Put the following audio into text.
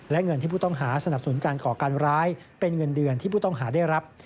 และเงินที่ผู้ต้องหาสนับสนุนการก่อการร้ายเป็นเงินเดือนที่ผู้ต้องหาได้รับ